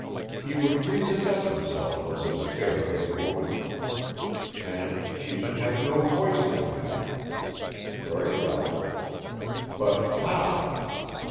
He would repossess himself of this fair haired woman. And she should have no voice in the matter. Very well. But how?